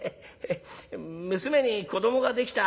娘に子どもができた。